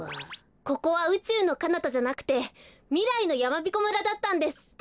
ここはうちゅうのかなたじゃなくてみらいのやまびこ村だったんです。